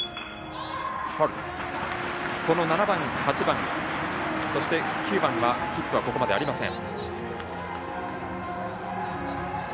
７番、８番、そして９番はヒットはここまでありません。